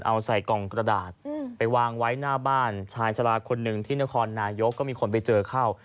เอาใส่กล่องกระดาษไปวางไว้หน้าบ้านชายชะลาคนหนึ่งที่นครนายกก็มีคนไปเจอเข้า